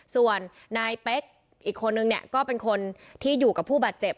ส่วนนายเป๊กอีกคนนึงเนี่ยก็เป็นคนที่อยู่กับผู้บาดเจ็บ